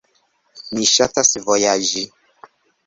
Mi ŝatas vojaĝi.